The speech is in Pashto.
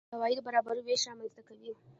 د عوایدو برابر وېش رامنځته کوي.